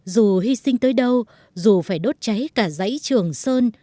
dù hy sinh tới đâu dù phải đốt cháy cả dãy trường sơn